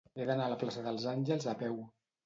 He d'anar a la plaça dels Àngels a peu.